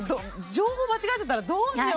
情報間違えてたらどうしようと思って。